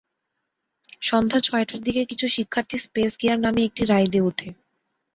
সন্ধ্যা ছয়টার দিকে কিছু শিক্ষার্থী স্পেস গিয়ার নামের একটি রাইডে ওঠে।